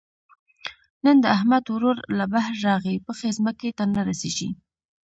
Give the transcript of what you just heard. نن د احمد ورور له بهر راغی؛ پښې ځمکې ته نه رسېږي.